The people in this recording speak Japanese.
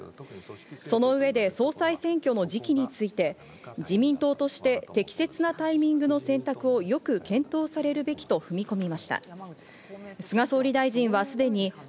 その上で総裁選挙の時期について、自民党として適切なタイミングの選択をよく検討されるべきと踏み込みました。